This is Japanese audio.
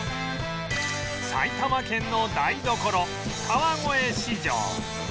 埼玉県の台所川越市場